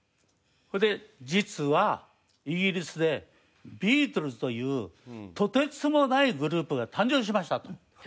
それで実はイギリスでビートルズというとてつもないグループが誕生しましたと。